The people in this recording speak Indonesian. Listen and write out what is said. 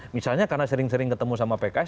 misalnya karena sering sering ketemu sama pks